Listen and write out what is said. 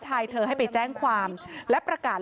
แต่เธอก็ไม่ละความพยายาม